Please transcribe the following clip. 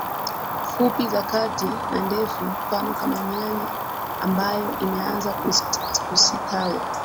fupi za kati na ndefu Mfano Kama nyanya ambayo imeaza kusitawi